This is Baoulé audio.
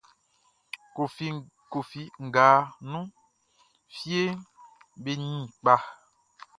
Koffi nga nunʼn, fieʼm be ɲin kpa.